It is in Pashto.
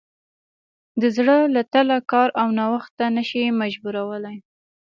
د زړه له تله کار او نوښت ته نه شي مجبورولی.